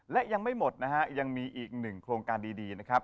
และยังไม่หมดนะฮะยังมีอีกหนึ่งโครงการดีนะครับ